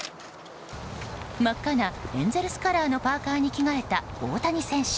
真っ赤なエンゼルスカラーのパーカに着替えた大谷選手